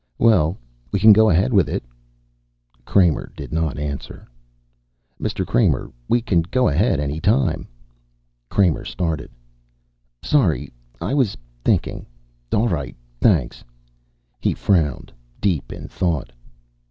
"Well, we can go ahead with it." Kramer did not answer. "Mr. Kramer, we can go ahead any time." Kramer started. "Sorry. I was thinking. All right, thanks." He frowned, deep in thought.